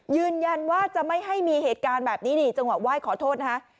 ยืนยันว่าจะไม่ให้มีเหตุการณ์แบบนี้จงว่าว่ายขอโทษนะคะ